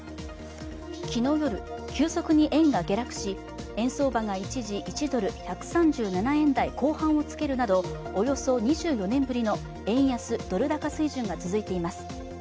昨日夜、急速に円が下落し円相場が一時、１ドル＝１３７円台後半をつけるなどおよそ２４年ぶりの円安ドル高水準が続いています。